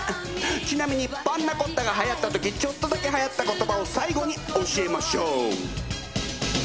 ちなみにパンナコッタがはやった時ちょっとだけはやった言葉を最後に教えましょう。